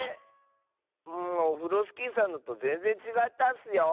オフロスキーさんのとぜんぜんちがったッスよ！